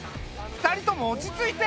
２人とも落ち着いて。